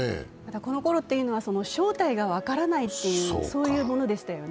このころっていうのは、正体が分からない、そういうものでしたよね。